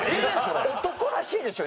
男らしいでしょ！